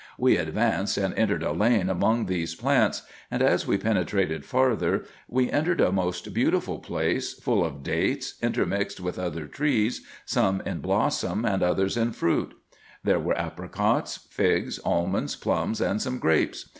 We advanced, and entered a lane among these plants ; and as we penetrated farther, we entered a most beautiful place, full of dates, intermixed with other trees, some in blossom, and others in fruit: there were apricots, figs, almonds, plums, and some grapes.